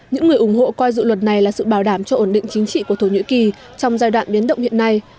những người ủng hộ coi dự luật này là sự bảo đảm cho ổn định chính trị của thổ nhĩ kỳ trong giai đoạn biến động hiện nay